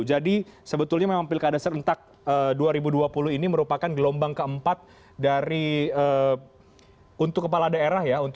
jadi sebetulnya memang pilkada serentak dua ribu dua puluh ini merupakan gelombang keempat untuk kepala daerah